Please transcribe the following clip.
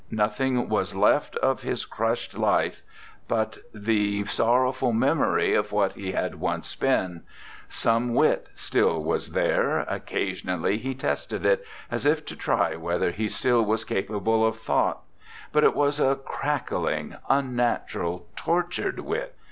Noth ing was left of his crushed life but the 62 ANDRE GIDE sorrowful memory of what he had once been; some wit still was there; occa sionally he tested it, as if to try whether he still was capable of thought; but it was a crackling, unnatural, tortured wit.